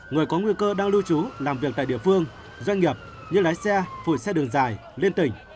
người có nguy cơ đang lưu trú làm việc tại địa phương doanh nghiệp như lái xe phụ xe đường dài liên tỉnh